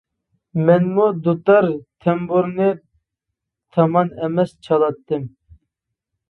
مەنمۇ دۇتار، تەمبۇرنى تامان ئەمەس چالاتتىم.